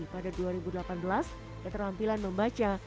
pada dua ribu delapan belas keterampilan membaca